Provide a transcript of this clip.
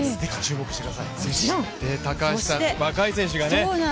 そして高橋さん、若い選手がね。